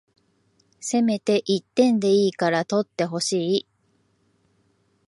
せめて一点でいいから取ってほしい